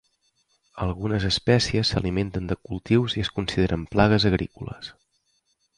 Algunes espècies s'alimenten de cultius i es consideren plagues agrícoles.